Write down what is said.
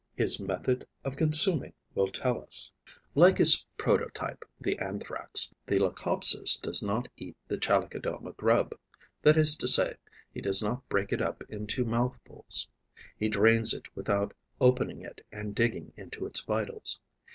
His method of consuming will tell us. Like his prototype, the Anthrax, the Leucopsis does not eat the Chalicodoma grub, that is to say, he does not break it up into mouthfuls; he drains it without opening it and digging into its vitals.